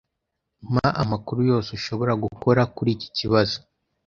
Mpa amakuru yose ushobora gukora kuri iki kibazo.